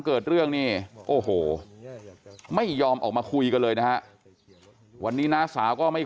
เกิดเรื่องนี่โอ้โหไม่ยอมออกมาคุยกันเลยนะฮะวันนี้น้าสาวก็ไม่